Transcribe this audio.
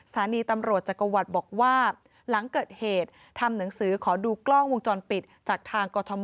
สถานีตำรวจจักรวรรดิบอกว่าหลังเกิดเหตุทำหนังสือขอดูกล้องวงจรปิดจากทางกรทม